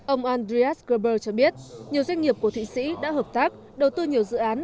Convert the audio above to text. ông andreas grber cho biết nhiều doanh nghiệp của thụy sĩ đã hợp tác đầu tư nhiều dự án